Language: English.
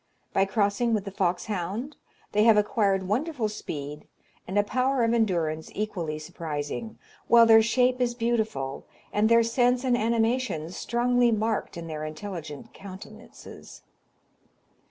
By crossing with the fox hound, they have acquired wonderful speed, and a power of endurance equally surprising, while their shape is beautiful and their sense and animation strongly marked in their intelligent countenances.